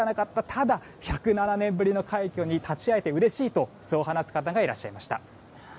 ただ、１０７年ぶりの快挙に立ち会えてうれしいとそう話す方がいらっしゃいました。